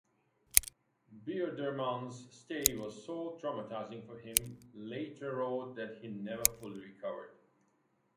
Bierdermann's stay was so traumatizing for him later wrote that he never fully recovered.